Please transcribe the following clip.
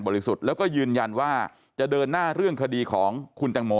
สุดแล้วก็ยืนยันว่าจะเดินหน้าเรื่องคดีของคุณแตงโม